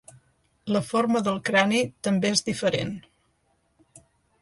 La forma del crani també és diferent.